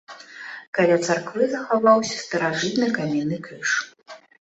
Каля царквы захаваўся старажытны каменны крыж.